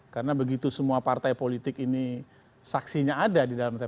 karena begitu semua partai politik ini saksinya ada di dalam tps